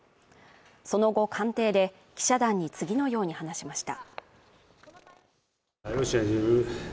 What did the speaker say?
その後官邸で記者団に次のように話しました。